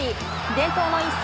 伝統の一戦